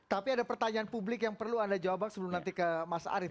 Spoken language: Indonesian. tapi ada pertanyaan publik yang perlu anda jawab bang sebelum nanti ke mas arief